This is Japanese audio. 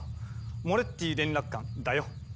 モレッティ連絡官だよ。